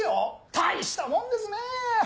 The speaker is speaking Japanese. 大したもんですねぇ！